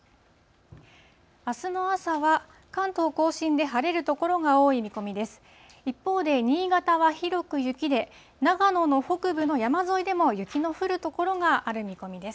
あすの朝は、関東甲信で晴れる所が多い見込みです。